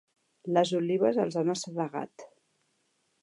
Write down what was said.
Les olives els han assedegat.